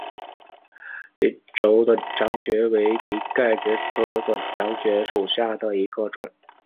鳞轴短肠蕨为蹄盖蕨科短肠蕨属下的一个种。